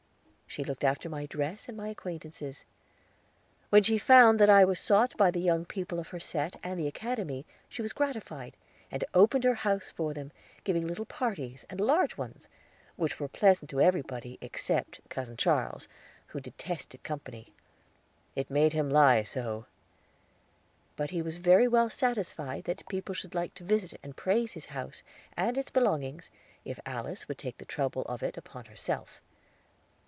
She looked after my dress and my acquaintances. When she found that I was sought by the young people of her set and the Academy, she was gratified, and opened her house for them, giving little parties and large ones, which were pleasant to everybody except Cousin Charles, who detested company "it made him lie so." But he was very well satisfied that people should like to visit and praise his house and its belongings, if Alice would take the trouble of it upon herself.